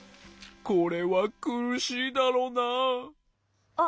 これはくるしいだろうなあ。